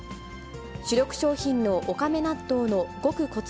主力商品のおかめ納豆の極小粒